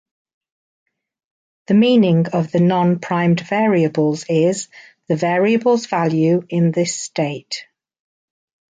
The meaning of the non-primed variables is "the variable's value in this state".